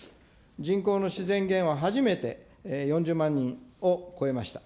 人口の自然減は初めて４０万人を超えました。